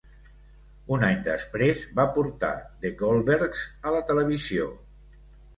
Un any després, va portar 'The Goldbergs' a la televisió.